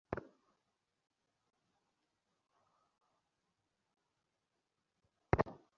আলাউদ্দিন খিলজি অবশ্যই ছিলেন।